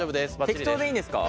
適当でいいんですか？